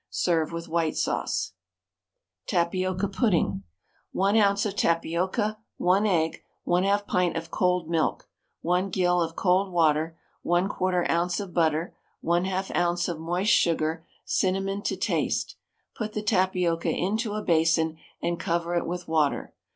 Serve with white sauce. TAPIOCA PUDDING. 1 oz. of tapioca, 1 egg, 1/2 pint of cold milk, 1 gill of cold water, 1/4 oz. of butter, 1/2 oz. of moist sugar, cinnamon to taste. Put the tapioca into a basin, and cover it with water.